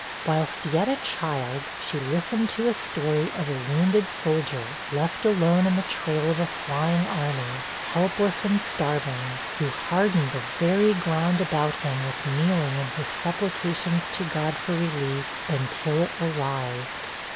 Whilst yet a child, she listened to a story of a wounded soldier, left alone in the trail of a flying army, helpless and starving, who hardened the very ground about him with kneeling in his supplications to God for relief, until it arrived.